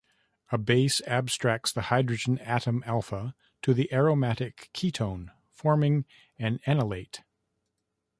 A base abstracts the hydrogen atom alpha to the aromatic ketone, forming an enolate.